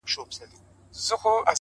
هغه خو دا گراني كيسې نه كوي ـ